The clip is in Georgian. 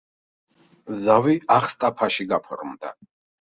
ზავი აღსტაფაში გაფორმდა.